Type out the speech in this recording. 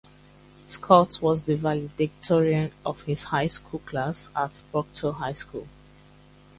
Scott was the valedictorian of his high school class at Proctor High School.